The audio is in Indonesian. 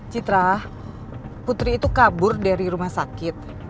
citra putri itu kabur dari rumah sakit